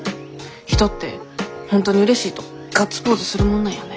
人って本当にうれしいとガッツポーズするもんなんやね。